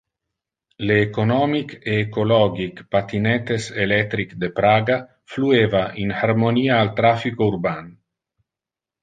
Le economic e ecologic patinettes electric de Praga flueva in harmonia al traffico urban.